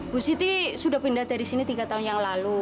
bu siti sudah pindah dari sini tiga tahun yang lalu